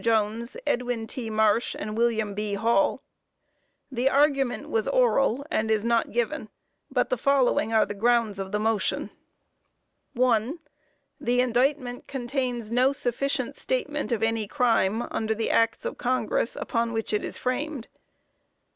Jones, Edwin T. Marsh and William B. Hall. The argument was oral and is not given, but the following are the grounds of the motion: 1. The indictment contains no sufficient statement of any crime under the Acts of Congress, upon which it is framed.